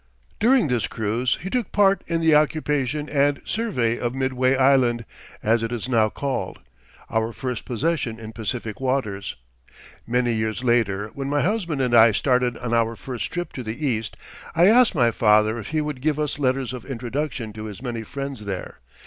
During this cruise he took part in the occupation and survey of Midway Island, as it is now called our first possession in Pacific waters. Many years later, when my husband and I started on our first trip to the East, I asked my father if he would give us letters of introduction to his many friends there.